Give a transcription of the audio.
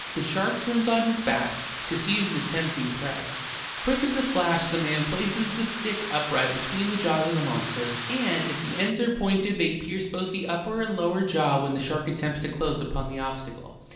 The shark turns on back to seize the tempt ing prey ; quick as a flash the man places the stick upright between the jaws of the monster, and as the ends are pointed they pierce both the upper and lower iaw when the shark attempts to close upon the obstacle.